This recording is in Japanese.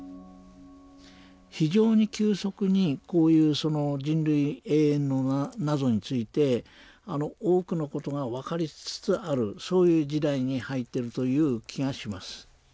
非常に急速にこういう人類永遠の謎について多くの事が分かりつつあるそういう時代に入っているという気がします